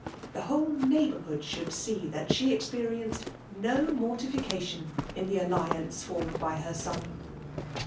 The whole neighbourhood ahould 0ee that she experienced' no mortification in the alliance formed by her son.